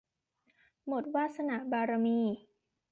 หมดวาสนาบารมี